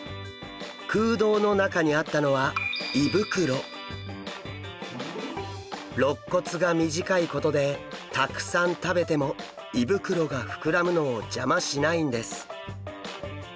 空洞の中にあったのはろっ骨が短いことでたくさん食べても胃袋が膨らむのを邪魔しないんです。